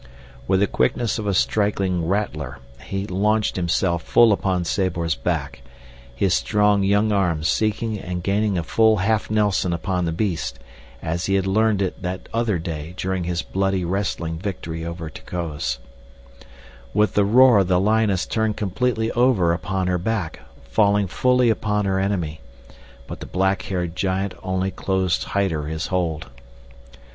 With the quickness of a striking rattler he launched himself full upon Sabor's back, his strong young arms seeking and gaining a full Nelson upon the beast, as he had learned it that other day during his bloody, wrestling victory over Terkoz. With a roar the lioness turned completely over upon her back, falling full upon her enemy; but the black haired giant only closed tighter his hold.